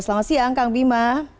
selamat siang kang bima